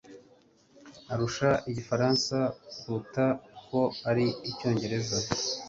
arusha igifaransa kuruta uko ari icyongereza.